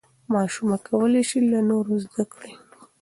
ماشومه کولی شي له نورو زده کړي.